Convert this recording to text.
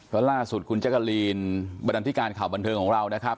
เพราะล่าสุดคุณจักรีนบันดาลที่การข่าวบันเทิงของเรานะครับ